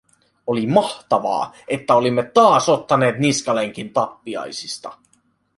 Oli mahtavaa, että olimme taas ottaneet niskalenkin tappiaisista.